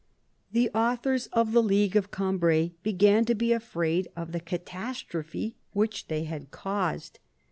The authors of the League of Cambrai began to be afraid of the catastrophe which they had caused.